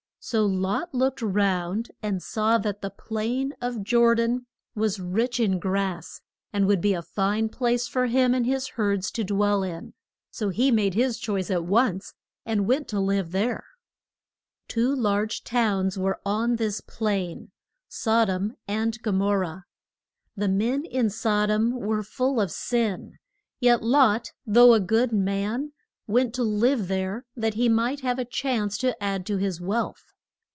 So Lot looked round and saw that the plain of Jor dan was rich in grass, and would be a fine place for him and his herds to dwell in; so he made his choice at once, and went to live there. Two large towns were on this plain, Sod om and Go mor rah. The men in Sod om were full of sin, yet Lot, though a good man, went to live there that he might have a chance to add to his wealth.